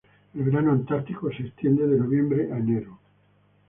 El verano antártico se extiende de noviembre a enero.